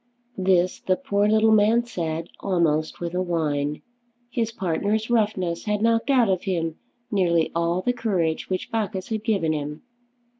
This the poor little man said almost with a whine. His partner's roughness had knocked out of him nearly all the courage which Bacchus had given him.